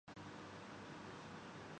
تمہاری ناک بہ رہی ہے